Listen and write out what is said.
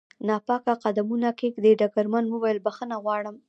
ناپاک قدمونه کېږدي، ډګرمن وویل: بخښنه غواړم.